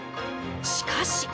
しかし。